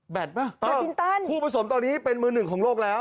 แบดฮือพูดผสมตอนนี้เป็นเมืองหนึ่งของโลกแล้ว